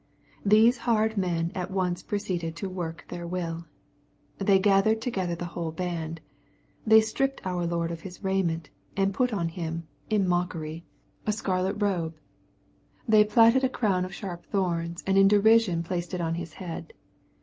— Thes< hard men at once proceeded to work their will Thej " gathered together the whole band." They stripped ou. Lord of His raiment, and put on Him, in mockery, • 390 SXP06IT0BT THOUGHTS. acarlet robe. They platted a crown of sharp thorns^ and in derision placed it on His head.